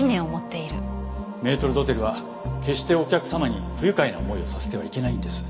メートル・ドテルは決してお客様に不愉快な思いをさせてはいけないんです。